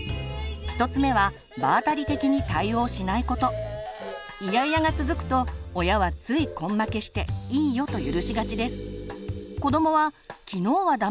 １つ目はイヤイヤが続くと親はつい根負けして「いいよ」と許しがちです。